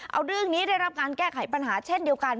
เอาเรื่องนี้ได้รับการแก้ไขปัญหาเช่นเดียวกัน